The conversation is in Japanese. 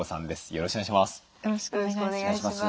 よろしくお願いします。